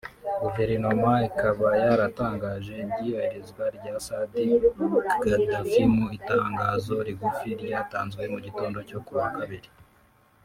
Guverinoma ikabayaratangaje iby’iyoherezwa rya Saadi Gaddafi mu itangazo rigufi ryatanzwe mu gitondo cyo ku wa Kabiri